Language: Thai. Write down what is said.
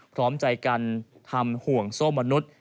พร้อมใจกันทำห่วงโซ่มนุษย์